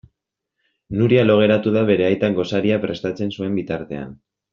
Nuria lo geratu da bere aitak gosaria prestatzen zuen bitartean.